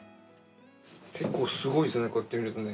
結構すごいですね、こうやって見るとね。